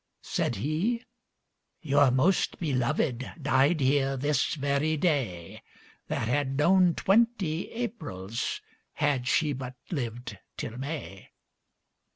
Said he, "Your most belovèdDied here this very day, That had known twenty AprilsHad she but lived till May."